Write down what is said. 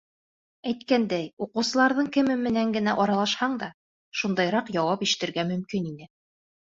Әйткәндәй, уҡыусыларҙың кеме менән генә аралашһаң да, шундайыраҡ яуап ишетергә мөмкин ине.